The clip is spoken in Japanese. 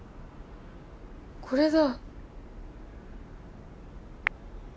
これだ！